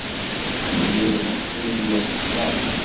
Imiren i bdiɣ ccna.